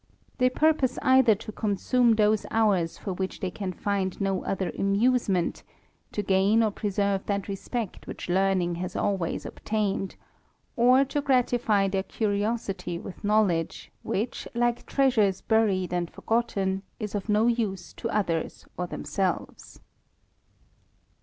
They purpose either tc consume those hours for which they can find no other amusement, to gain or preserve that respect which learning has always obtained ; or to gratify their curiosity with knowledge, which, like treasures buried and forgotten, is of no use to others or themselves.